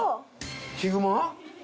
ヒグマ？